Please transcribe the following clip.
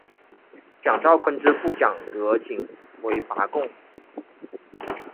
蒋兆鲲之父蒋德璟为拔贡。